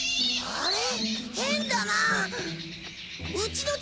あれ？